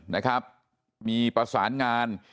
นะครับมีประสานงาน